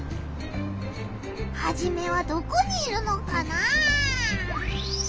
ハジメはどこにいるのかな？